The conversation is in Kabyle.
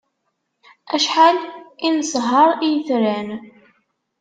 Acḥal i nesher i yetran!